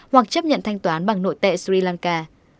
hoặc chấp nhận thanh toán bằng nội tệ sri lanka